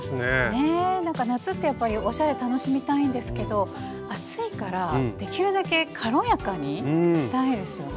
なんか夏ってやっぱりおしゃれ楽しみたいんですけど暑いからできるだけ軽やかにしたいですよね。